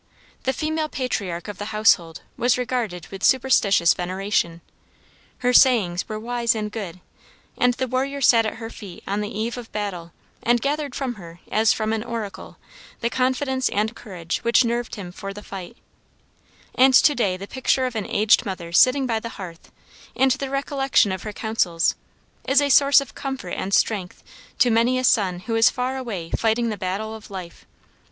The female patriarch of the household was regarded with superstitious veneration. Her sayings were wise and good, and the warrior sat at her feet on the eve of battle and gathered from her as from an oracle, the confidence and courage which nerved him for the fight; and today the picture of an aged mother sitting by the hearth, and the recollection of her counsels, is a source of comfort and strength to many a son who is far away fighting the battle of life.